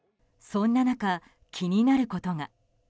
そんな中、気になることが。